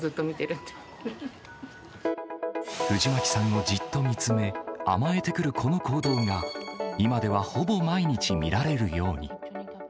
藤巻さんをじっと見つめ、甘えてくるこの行動が、今ではほぼ毎日見られるように。